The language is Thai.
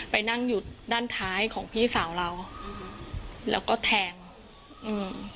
ไปนั่งอยู่ด้านท้ายของพี่สาวเราอืมแล้วก็แทงอืม